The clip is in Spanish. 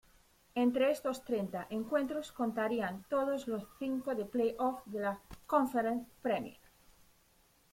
Entre estos treinta encuentros, contarían todos los cinco del play-off de la Conference Premier.